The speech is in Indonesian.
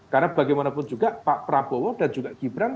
karena bagaimanapun juga pak prabowo dan juga gibran